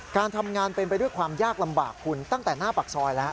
การทำงานเป็นไปด้วยความยากลำบากคุณตั้งแต่หน้าปากซอยแล้ว